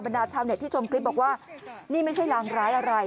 ดาชาวเน็ตที่ชมคลิปบอกว่านี่ไม่ใช่รางร้ายอะไร